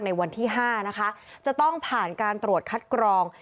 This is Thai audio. ในวันที่๕นะคะจะต้องผ่านการตรวจคัดกรอง